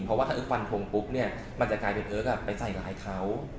เพราะว่าถ้าเอิ๊กฟันทงปุ๊บเนี่ยมันจะกลายเป็นเอิ๊กไปใส่ร้ายเขา